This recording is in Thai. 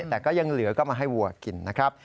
แต่ก็ยังเหลือก็มาให้วัวกินนะครับ